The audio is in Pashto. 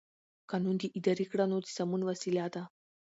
قانون د اداري کړنو د سمون وسیله ده.